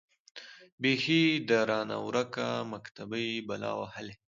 بيـخي ده رانـه وركه مــكتبۍ بــلا وهــلې.